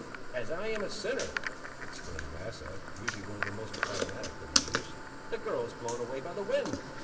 "As I am a sinner," exclaimed Asa, usually one of the most phlegmatic of the youths, "the girl is blown away by the wind!"